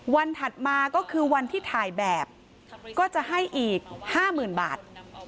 ถัดมาก็คือวันที่ถ่ายแบบก็จะให้อีก๕๐๐๐บาท